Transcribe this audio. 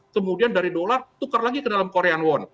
kemudian dari dollar tukar lagi ke dalam korean won